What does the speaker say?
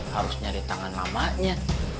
harusnya di tangan namanya